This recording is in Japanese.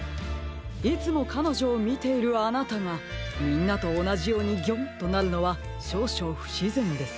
いつもかのじょをみているあなたがみんなとおなじように「ギョン！」となるのはしょうしょうふしぜんです。